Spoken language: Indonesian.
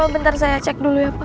bentar saya cek dulu ya pak